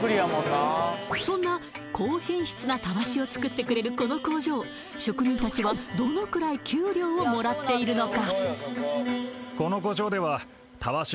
そんな高品質なタワシを作ってくれるこの工場職人たちはどのくらい給料をもらっているのか？